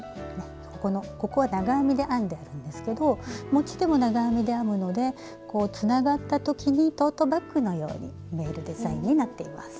ここのここは長編みで編んであるんですけど持ち手も長編みで編むのでこうつながった時にトートバッグのように見えるデザインになっています。